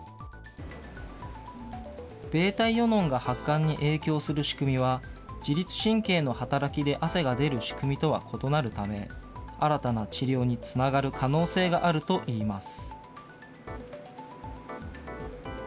βイオノンが発汗に影響する仕組みは、自律神経の働きで汗が出る仕組みとは異なるため、新たな治療につながる可能性があるといいます。